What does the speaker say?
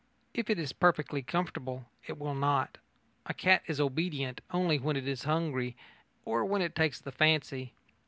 If it is perfectly comfortable, it will not. A cat is obedient only when it is hungry or when it takes the fancy.